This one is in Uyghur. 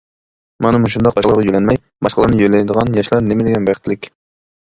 مانا مۇشۇنداق باشقىلارغا يۆلەنمەي، باشقىلارنى يۆلەيدىغان ياشلار نېمىدېگەن بەختلىك!